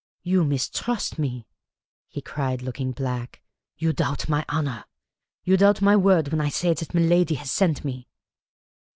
"You mistrust me?" he cried, looking black. "You doubt my honour ? You doubt my word when I say that niiladi has sent me